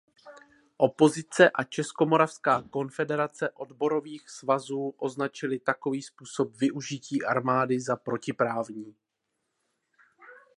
Opozice a Českomoravská konfederace odborových svazů označily takový způsob využití armády za protiprávní.